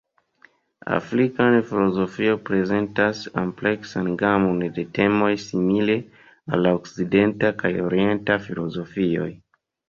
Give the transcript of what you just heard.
Afrika filozofio prezentas ampleksan gamon de temoj simile al la Okcidenta kaj Orienta filozofioj.